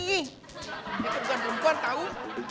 ih eike bukan perempuan tau